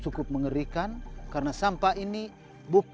tetapi intinya kita harus hampir keoe